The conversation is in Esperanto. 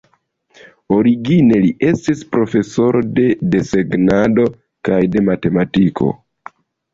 Origine li estis profesoro de desegnado kaj de matematiko.